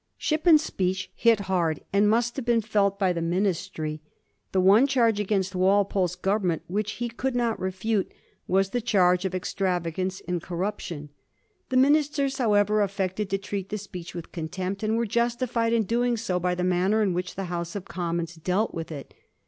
Shippen's speech hit hard, and must have been felt by the ministry. The one charge against Wal pole's Government which he could not refute was the Digiti zed by Google 1728 SPEAKER ONSLOW. 369 charge of extravagance in corruption. The ministers, however, affected to treat the speech with contempt, and were justified in doing so by the manner in which the House of Conmions dealt with it.